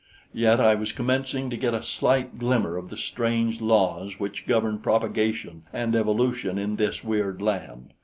Yet I was commencing to get a slight glimmer of the strange laws which govern propagation and evolution in this weird land.